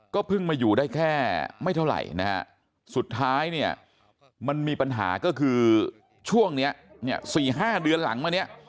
เพิ่งมาอยู่ได้แค่ไม่เท่าไหร่นะฮะสุดท้ายเนี่ยมันมีปัญหาก็คือช่วงนี้เนี่ย๔๕เดือนหลังมาเนี่ย